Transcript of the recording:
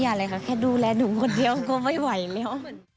อะไรค่ะแค่ดูแลหนูคนเดียวก็ไม่ไหวแล้ว